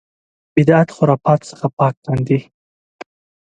بدعت خرافاتو څخه پاک کاندي.